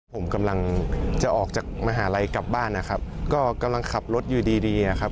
ผมกำลังจะออกจากมหาลัยกลับบ้านนะครับก็กำลังขับรถอยู่ดีดีอะครับ